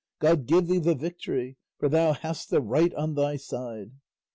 God give thee the victory, for thou hast the right on thy side!"